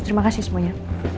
terima kasih semuanya